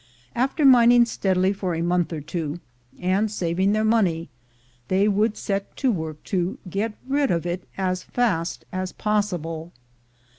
After min ing steadily for a month or two, and saving their money, they would set to work to get rid of it as fast as possible.